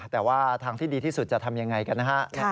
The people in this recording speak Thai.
แต่ว่าทางที่ดีที่สุดจะทำยังไงกันนะฮะ